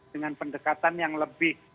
dengan pendekatan yang lebih